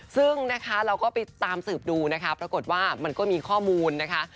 ซึ่งนะคะเราก็ไปตามสืบดูนะคะปรากฏว่ามันก็มีข้อมูลนะคะ